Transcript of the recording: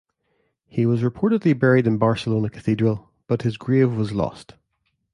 He was reportedly buried in the Barcelona Cathedral, but his grave was lost.